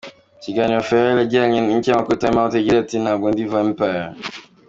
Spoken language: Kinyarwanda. Mu kiganiro Pherrel yagiranye n’ikinyamakuru Time Out yagize ati “Ntabwo ndi vampire.